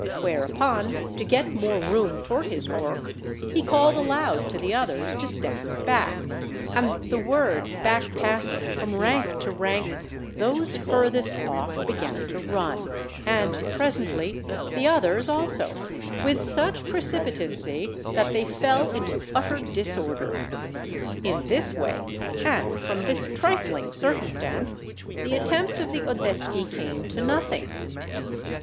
Whereupon, to get more room for his work, he called aloud to the others to stand back; and the word back passing from rank to rank those furthest off began to run, and, presently, the others also, with such precipitancy, that they fell into utter disorder. In this way, and from this trifling circumstance, the attempt of the Oddeschi came to nothing.